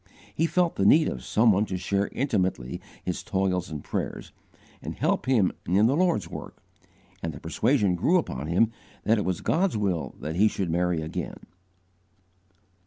He felt the need of some one to share intimately his toils and prayers, and help him in the Lord's work, and the persuasion grew upon him that it was God's will that he should marry again.